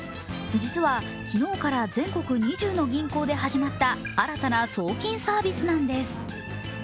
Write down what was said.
実は昨日から全国２０の銀行で始まった新たな送金サービスなんです。